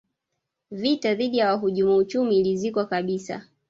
vita dhidi ya wahujumu uchumi ilizikwa kabisa